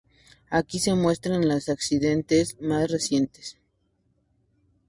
Aquí se muestran los accidentes más recientes